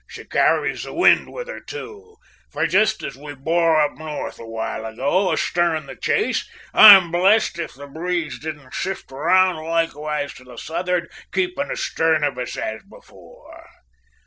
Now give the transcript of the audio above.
She carries the wind with her, too; for jist as we bore up north awhile ago, astern the chase, I'm blessed if the breeze didn't shift round likewise to the south'ard, keepin' astern of us as before!"